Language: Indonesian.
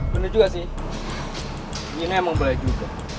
bener juga sih gino emang baik juga